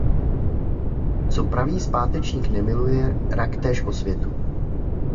Co pravý zpátečník nemiluje rak též osvětu.